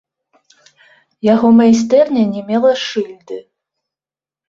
Яго майстэрня не мела шыльды.